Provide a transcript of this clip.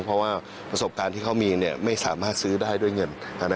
เพราะว่าประสบการณ์ที่เขามีไม่สามารถซื้อได้ด้วยเงิน